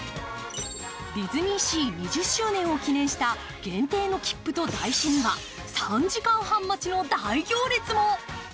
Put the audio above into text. ディズニーシー２０周年を記念した限定の切符と台紙には３時間半待ちの大行列も。